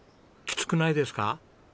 きつくないですか？